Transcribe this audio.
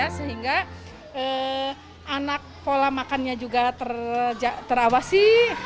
sehingga anak pola makannya juga terawasi